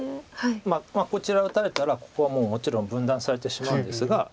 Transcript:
こちら打たれたらここはもうもちろん分断されてしまうんですが。